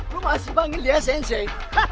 lo masih panggil dia sensei